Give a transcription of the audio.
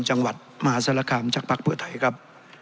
จังหวัดมหาศาลคามจักรพรรคเผื่อไถครับ